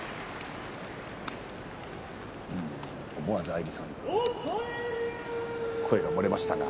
思わずアイリさん声が漏れました。